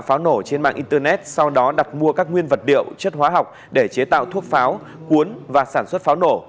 pháo nổ trên mạng internet sau đó đặt mua các nguyên vật liệu chất hóa học để chế tạo thuốc pháo cuốn và sản xuất pháo nổ